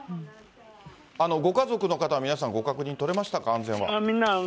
ご家族の方は皆さん、ご確認取れましたか、安全は。